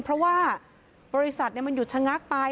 เพราะว่าบริษัทมันหยุดชะงักไป